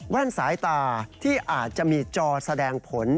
สายตาที่อาจจะมีจอแสดงผล